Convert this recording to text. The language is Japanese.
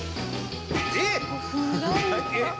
「えっ！」